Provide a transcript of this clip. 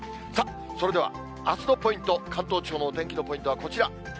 それではあすのポイント、関東地方のお天気のポイントはこちら。